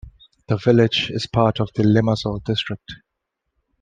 The village is part of the Limassol District.